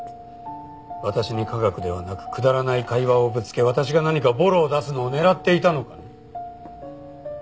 私に科学ではなくくだらない会話をぶつけ私が何かボロを出すのを狙っていたのかね？